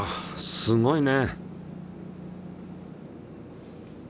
すごいね！